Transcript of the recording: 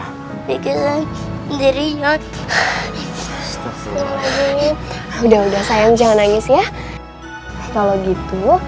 hai dikirim sendirian udah udah sayang jangan nangis ya kalau gitu